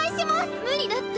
無理だって。